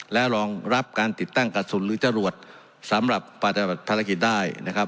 แล้วลองรับการติดตั้งการสุนหรือจ้ารวจสำหรับปลาดกระับธารกิจได้นะครับ